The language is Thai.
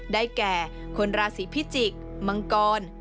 ได้แก่คนราศีพิจิกษ์มังกร